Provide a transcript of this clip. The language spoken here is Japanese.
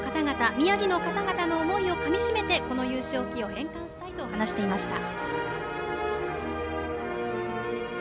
宮城の方々の思いをかみしめてこの優勝旗を返還したいと話していました。